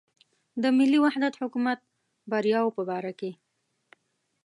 د ملي وحدت حکومت بریاوو په باره کې.